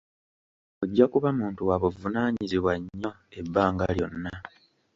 Ojja kuba muntu wa buvunaanyizibwa nyo ebbanga lyonna.